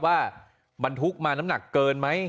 ว่าบันทุกข์มาน้ำหนักเกินไหม